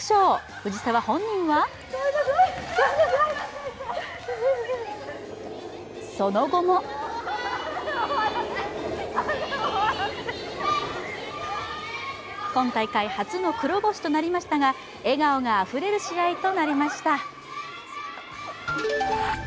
藤澤本人はその後も今大会初の黒星となりましたが笑顔があふれる試合となりました。